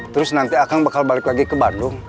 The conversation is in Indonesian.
terus nanti akan bakal balik lagi ke bandung